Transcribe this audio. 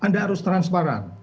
anda harus transparan